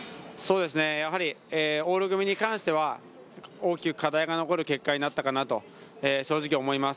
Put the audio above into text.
往路組に関しては、大きく課題が残る結果となりましたと正直思います。